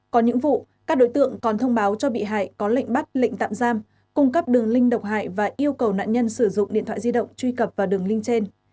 có những vụ các đối tượng còn thông báo cho bị hại có lệnh bắt lệnh tạm giam cung cấp đường link độc hại và yêu cầu nạn nhân sử dụng điện thoại di động truy cập vào đường link trên